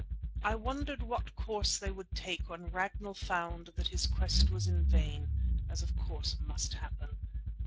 I wondered what course they would take when Ragnall found that his quest was vain, as of course must happen.